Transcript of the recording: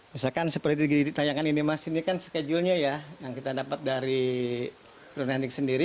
misalkan seperti ditayangkan ini mas ini kan skedulnya ya yang kita dapat dari lunak lanik sendiri